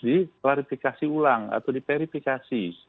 diklarifikasi ulang atau diperifikasi